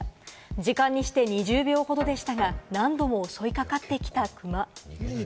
時間にして２０秒ほどでしたが、何度も襲いかかってきたクマ。